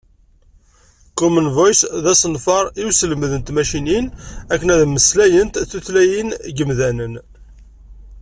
Common Voice d asenfar i uselmed n tmacinin akken ad mmeslayent tutlayin n yimdanen.